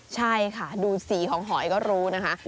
ใช่ค่ะดูสีของหอยก็รู้นะคะ